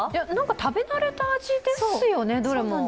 食べ慣れた味ですよね、どれも。